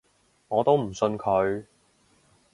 我都唔信佢